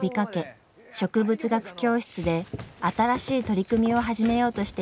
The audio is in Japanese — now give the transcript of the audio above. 植物学教室で新しい取り組みを始めようとしていました。